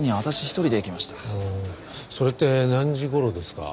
ああそれって何時頃ですか？